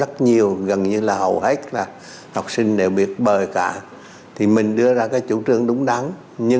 chiều ngày bảy thí sinh dự thi môn toán